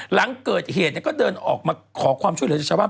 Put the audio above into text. หลังเกิดเหตุก็เดินออกมาขอความช่วยเหลือจากชาวบ้าน